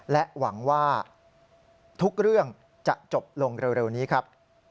และหวังว่าทุกเรื่องจะจบลงเร็วนี้ครับ